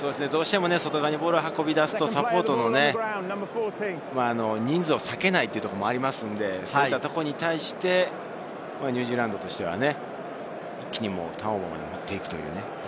外側にボールを運び出すとサポートの人数を割けないということがありますので、それに対してニュージーランドとしては、一気にターンオーバーまで持っていく。